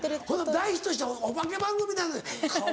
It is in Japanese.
「大ヒットしたお化け番組なの」